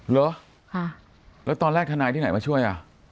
เหรอแล้วตอนแรกทนายที่ไหนมาช่วยอ่ะ